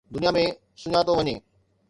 دنيا ۾ سڃاتو وڃي